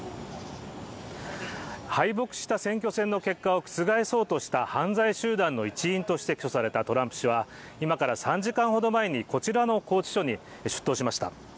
敗北した選挙戦の結果を覆そうとした犯罪集団の一員として起訴されたトランプ氏は今から３時間ほど前にこちらの拘置所に出頭しました